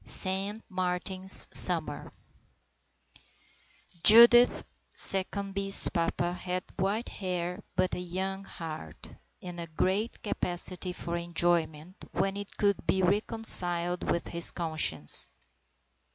SAINT MARTIN'S SUMMER I JUDITH SECCOMBE'S papa had white hair but a young heart, and a great capacity for enjoyment when it could be reconciled with his conscience.